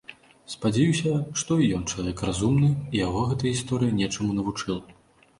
Спадзяюся, што і ён чалавек разумны, і яго гэта гісторыя нечаму навучыла.